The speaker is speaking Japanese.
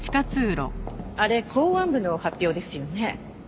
あれ公安部の発表ですよね？